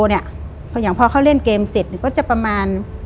พออย่างพอเขาเล่นเกมเสร็จก็จะประมาณ